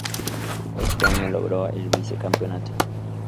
Ese año logró el vice-campeonato.